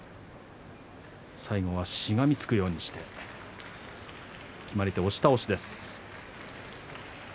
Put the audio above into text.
最後はしがみつくようにして決まり手、押し倒しです。